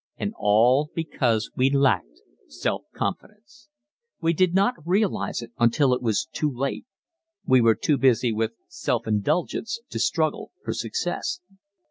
And all because we lacked self confidence! We did not realize it until it was too late. We were too busy with self indulgence to struggle for success.